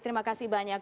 terima kasih banyak